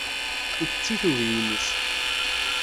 Itett-it uglim-is.